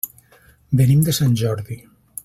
Venim de Sant Jordi.